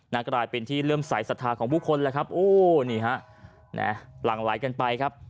น่ากลายเป็นที่เริ่มใส่ศรัทธาของผู้คนแหละครับโอ้นี่ฮะแน่หลั่งหลายกันไปครับ